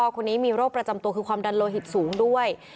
คนนี้มีโรคประจำตัวคือความดันโลหิตสูงด้วย